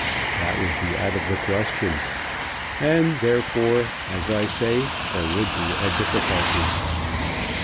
That would be out of the question. And therefore, as I say, there would be a difficulty."